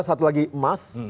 satu lagi emas